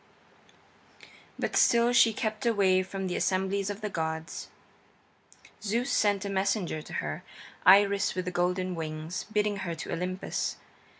IV But still she kept away from the assemblies of the gods. Zeus sent a messenger to her, Iris with the golden wings, bidding her to Olympus.